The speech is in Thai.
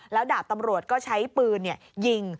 แล้วดาบตำรวจก็ใช้ปืนยิง